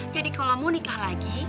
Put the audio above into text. jadi kalo mau nikah lagi